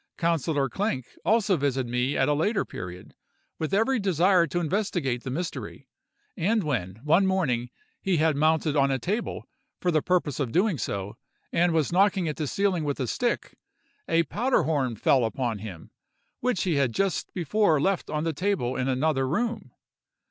Councillor Klenk also visited me at a later period, with every desire to investigate the mystery; and when, one morning, he had mounted on a table, for the purpose of doing so, and was knocking at the ceiling with a stick, a powder horn fell upon him, which he had just before left on the table in another room.